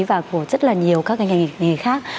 và của rất là nhiều các ngành nghề khác